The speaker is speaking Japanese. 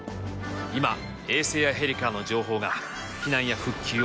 今衛星やヘリからの情報が避難や復旧を支えています。